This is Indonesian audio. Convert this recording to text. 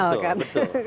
identik dengan java